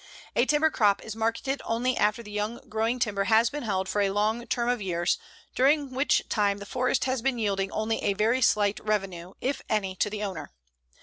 A timber crop is marketed only after the young growing timber has been held for a long term of years, during which time the forest has been yielding only a very slight revenue, if any, to the owner.